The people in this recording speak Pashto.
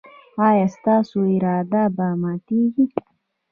ایا ستاسو اراده به ماتیږي؟